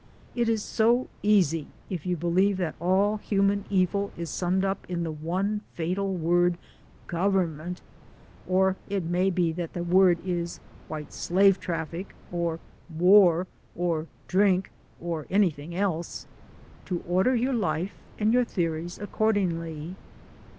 It is so easy if you believe that all human evil is summed up in the one fatal word ' govern ment ' (or it may be that the word is * white slave traffic,' or * war,' or ' drink,' or anything else) to order your life and your theories accordingly.